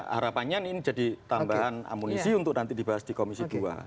harapannya ini jadi tambahan amunisi untuk nanti dibahas di komisi dua